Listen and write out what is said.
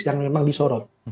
yang memang disorot